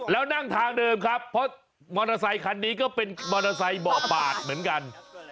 แล้วนั่งทางเดิมครับเพราะมอเตอร์ไซคันนี้ก็เป็นมอเตอร์ไซค์เบาะบาดเหมือนกัน